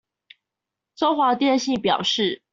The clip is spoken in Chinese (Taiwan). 中華電信表示